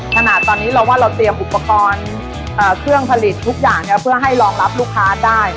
ขนาดตอนนี้เราว่า